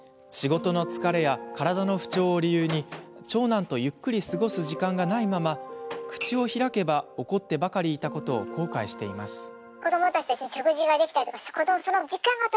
仕事の疲れや体の不調を理由に長男とゆっくり過ごす時間がないまま、口を開けば怒ってばかりいたことを後悔しています。